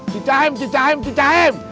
kalau yang muda bang keliling